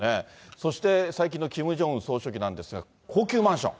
そして、最近のキム・ジョンウン総書記なんですが、高級マンション。